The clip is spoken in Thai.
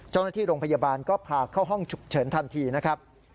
เจ้าหน้าที่โรงพยาบาลก็พาเข้าห้องฉุกเฉินทันทีนะครับ